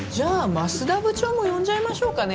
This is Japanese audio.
舛田部長も呼んじゃいましょうかね